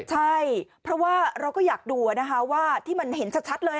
ใช่เพราะว่าเราก็อยากดูนะคะว่าที่มันเห็นชัดเลย